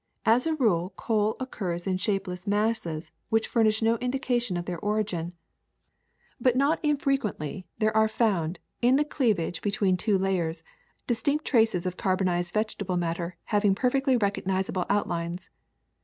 As a rule coal occurs in shapeless masses which furnish no indica tion of their origin; but not infrequently there are COAL AND COAL GAS 121 found, in the cleavage between two layers, distinct traces of carbonized vegetable matter having per fectly recognizable outlines.